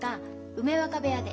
梅若部屋で。